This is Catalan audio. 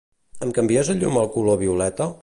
Em canvies el llum al color violeta?